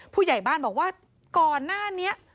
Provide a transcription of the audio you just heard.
ผู้ใหญ่บ้านบอกว่าก่อนหน้านี้